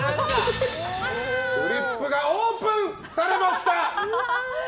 フリップがオープンされました。